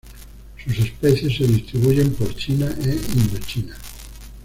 Sus especies se distribuyen por China e Indochina.